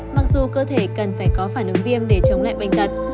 mặc dù cơ thể cần phải có phản ứng viêm để chống lại bệnh tật